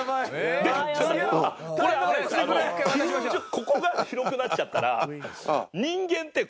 ここが広くなっちゃったら。